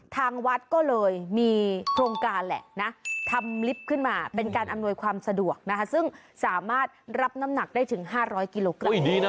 ทางวัดก็เลยมีโครงการแหละนะทำลิฟต์ขึ้นมาเป็นการอำนวยความสะดวกนะคะซึ่งสามารถรับน้ำหนักได้ถึง๕๐๐กิโลกรัม